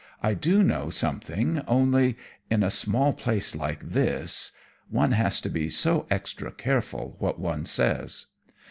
I do know something, only in a small place like this one has to be so extra careful what one says.